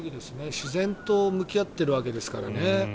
自然と向き合ってるわけですからね。